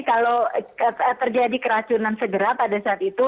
kalau terjadi keracunan segera pada saat itu